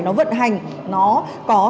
nó vận hành nó có